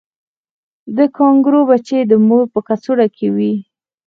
د کانګارو بچی د مور په کڅوړه کې وي